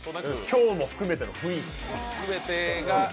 今日も含めての雰囲気。